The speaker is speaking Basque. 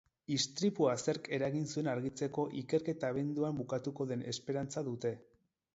Istripua zerk eragin zuen argitzeko ikerketa abenduan bukatuko den esperantza dute.